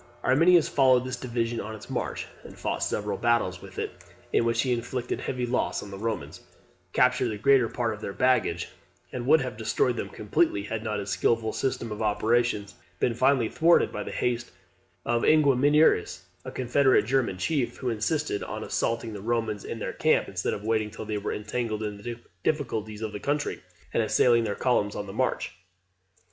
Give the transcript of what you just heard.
Arminius followed this division on its march, and fought several battles with it, in which he inflicted heavy loss on the Romans, captured the greater part of their baggage, and would have destroyed them completely, had not his skilful system of operations been finally thwarted by the haste of Inguiomerus, a confederate German chief who insisted on assaulting the Romans in their camp, instead of waiting till they were entangled in the difficulties of the country, and assailing their columns on the march.